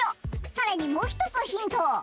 さらにもうひとつヒント。